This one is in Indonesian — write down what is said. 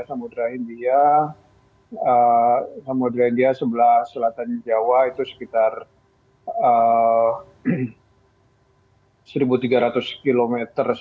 samudera india sebelah selatan jawa itu sekitar seribu tiga ratus km